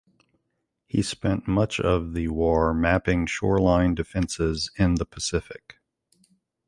He spent much of the war mapping shoreline defenses in the Pacific.